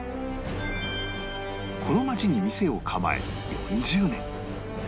この街に店を構え４０年